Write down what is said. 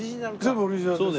全部オリジナルです。